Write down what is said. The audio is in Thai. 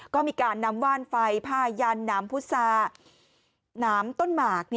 ก็มีการนำว่านไฟผ้ายันน้ำพุซาน้ำต้นหมาก